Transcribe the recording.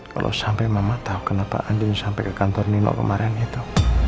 kalau sampai mama tahu kenapa anjing sampai ke kantor nino kemarin itu